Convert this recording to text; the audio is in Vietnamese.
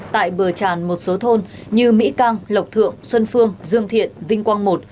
tại bờ tràn một số thôn như mỹ cang lộc thượng xuân phương dương thiện vinh quang một